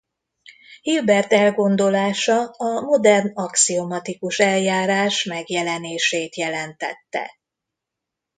Hilbert elgondolása a modern axiomatikus eljárás megjelenését jelentette.